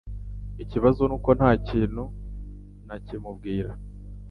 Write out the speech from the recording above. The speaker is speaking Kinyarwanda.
Ikibazo nuko ntakintu nakimubwira.